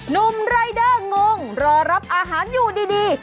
ุ่มรายเดอร์งงรอรับอาหารอยู่ดี